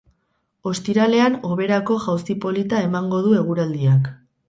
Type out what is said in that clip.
Ostiralean hoberako jauzi polita emango du eguraldiak.